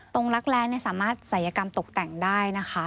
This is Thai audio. รักแร้สามารถศัยกรรมตกแต่งได้นะคะ